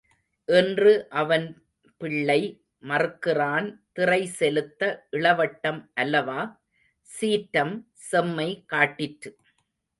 இன்று அவன் பிள்ளை மறுக்கிறான் திறை செலுத்த இளவட்டம் அல்லவா? சீற்றம் செம்மை காட்டிற்று.